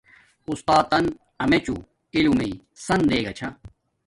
اُستاتن امیچون علمݵ سن دیگا چھا